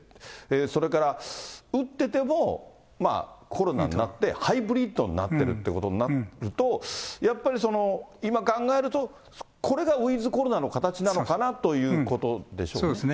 それから打っててもコロナになって、ハイブリッドになってるということになると、やっぱり今考えると、これがウィズコロナの形なのかなということでしょうね。